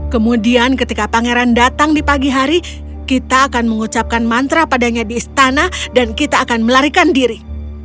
kemudian ketika pangeran datang di pagi hari kita akan mengucapkan mantra padanya di istana dan kita akan melarikan diri